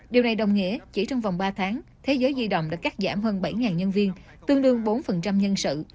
điều này đồng nghĩa chỉ trong vòng ba tháng thế giới di động đã cắt giảm hơn bảy nhân viên tương đương bốn nhân sự